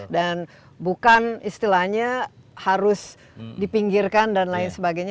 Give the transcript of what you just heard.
dan bukan istilahnya harus dipinggirkan dan lain sebagainya